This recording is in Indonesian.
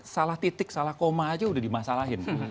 salah titik salah koma aja udah dimasalahin